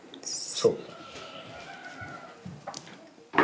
そう！